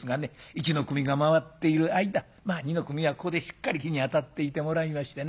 一の組が回っている間二の組はここでしっかり火にあたっていてもらいましてな